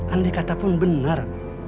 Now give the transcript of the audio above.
andai kata pun benar